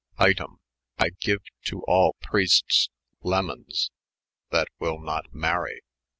Item, I gene to all Preestes, Lemondes, that wyl not marry